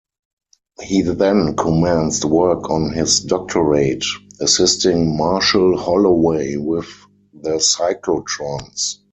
He then commenced work on his doctorate, assisting Marshall Holloway with the cyclotrons.